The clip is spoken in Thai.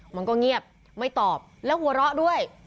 มันก็เงียบไม่ตอบแล้วหัวเราะด้วย